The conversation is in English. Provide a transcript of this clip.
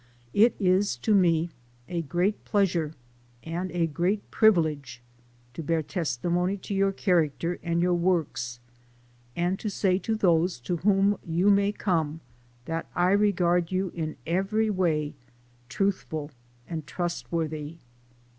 It is to me a great pleasure and a great privi lege to bear testimony to your character and your works, and to say to those to whom you may come, that I regard you in every way truthful and trust worthy.